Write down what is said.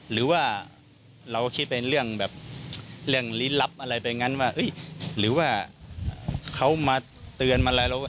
หรือว่าเราคิดเป็นเรื่องแบบเรื่องลี้ลับอะไรไปงั้นว่าหรือว่าเขามาเตือนมาอะไร